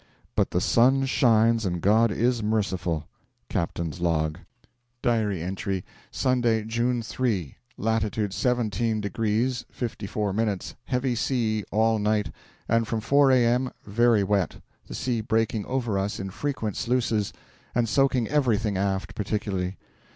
BUT THE SUN SHINES AND GOD IS MERCIFUL. Captain's Log. (Diary entry) Sunday, June 3. Latitude 17 degrees 54 minutes. Heavy sea all night, and from 4 A.M. very wet, the sea breaking over us in frequent sluices, and soaking everything aft, particularly.